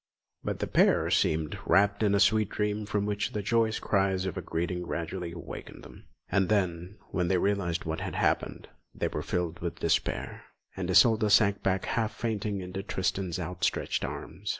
But the pair seemed wrapped in a sweet dream from which the joyous cries of greeting gradually awakened them; and then, when they realised what had happened, they were filled with despair, and Isolda sank back half fainting into Tristan's outstretched arms.